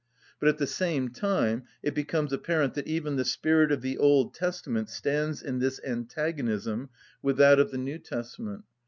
But, at the same time, it becomes apparent that even the spirit of the Old Testament stands in this antagonism with that of the New Testament.